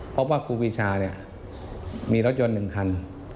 เพราะว่ากุฟิชามีรถยนต์หนึ่งคัน